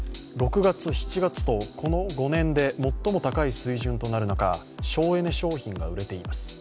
６月、７月と、この５年で最も高い水準となる中省エネ商品が売れています。